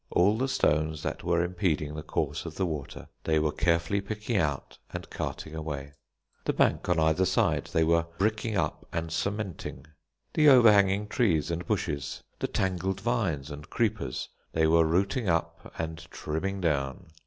All the stones that were impeding the course of the water they were carefully picking out and carting away. The bank on either side they were bricking up and cementing. The overhanging trees and bushes, the tangled vines and creepers they were rooting up and trimming down.